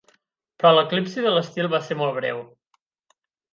Però l'eclipsi de l'estil va ser molt breu.